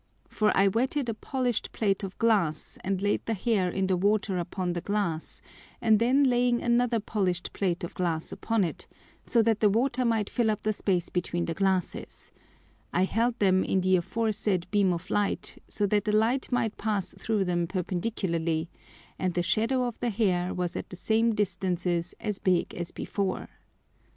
For I wetted a polish'd Plate of Glass, and laid the Hair in the Water upon the Glass, and then laying another polish'd Plate of Glass upon it, so that the Water might fill up the space between the Glasses, I held them in the aforesaid beam of Light, so that the Light might pass through them perpendicularly, and the Shadow of the Hair was at the same distances as big as before.